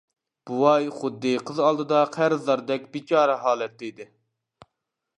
بوۋاي خۇددى قىز ئالدىدا قەرزداردەك بىچارە ھالەتتە ئىدى.